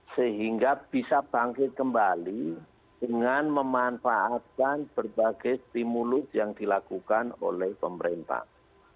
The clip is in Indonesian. sehingga bisa bangkit kembali dengan memanfaatkan berbagai stimulus yang dilakukan oleh pemerintah